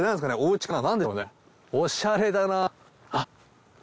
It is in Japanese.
おしゃれだなぁ。